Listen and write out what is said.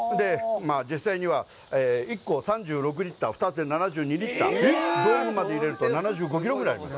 実際には、１個３６リットル、２つで７２リットル、道具まで入れると、７５キロぐらいあります。